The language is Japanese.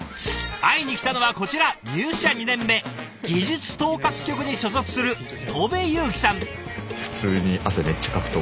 会いに来たのはこちら入社２年目技術統括局に所属する戸部雄輝さん。